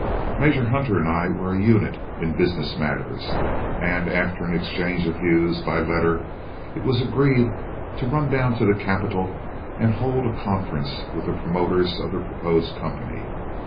Major Hunter and I were a unit in business matters, and after an exchange of views by letter, it was agreed to run down to the capital and hold a conference with the promoters of the proposed company.